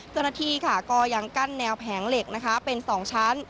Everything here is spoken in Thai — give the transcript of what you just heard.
เจ้าหน้าที่ค่ะก็ยังกั้นแนวแผงเหล็กนะคะเป็น๒ชั้น